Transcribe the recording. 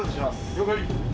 了解。